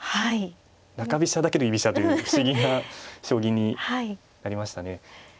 中飛車だけど居飛車という不思議な将棋になりましたね。